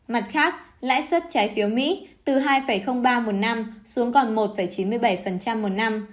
mặt khác lãi suất trái phiếu mỹ từ hai ba một năm xuống còn một chín mươi bảy một năm